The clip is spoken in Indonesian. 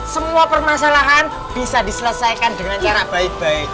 semua permasalahan bisa diselesaikan dengan cara baik baik